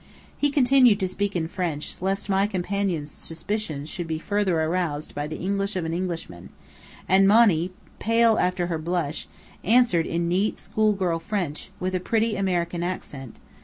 He continued to speak in French, lest my companions' suspicions should be further roused by the English of an Englishman; and Monny, pale after her blush, answered in neat, schoolgirl French, with a pretty American, accent.